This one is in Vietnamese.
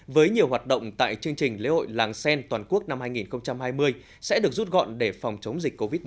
với nhiều hoạt động tại chương trình lễ hội làng sen toàn quốc năm hai nghìn hai mươi sẽ được rút gọn để phòng chống dịch covid một mươi chín